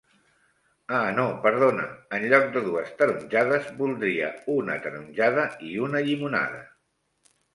Ah no perdona, enlloc de dues taronjades, voldria una taronjada i una llimonada.